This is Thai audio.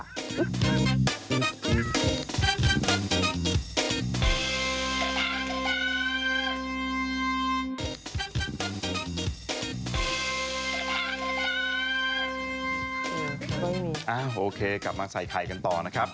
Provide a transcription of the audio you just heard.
โอเคกลับมาใส่ไข่กันต่อนะครับ